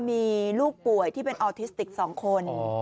มีลูกป่วยที่เป็นออทิสติก๒คน